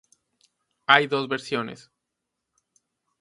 Hay dos versiones.